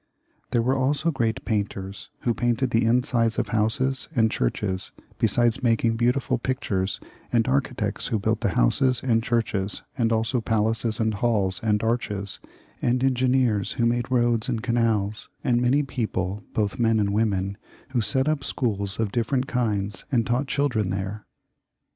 There were also great painters, who painted the insides of houses and churches, besides making beautiful pictures, and architects who built the houses and churches, and also palaces and halls and arches, and engineers who made roads and canals, and many people, both men and women, who set up schools of different kinds and taught children there.